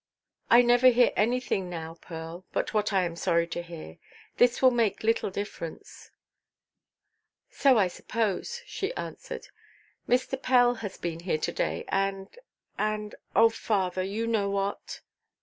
"I never hear anything, now, Pearl, but what I am sorry to hear. This will make little difference." "So I suppose," she answered. "Mr. Pell has been here to–day, and—and—oh, father, you know what."